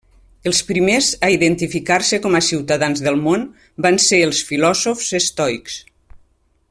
Els primers a identificar-se com a ciutadans del món van ser els filòsofs estoics.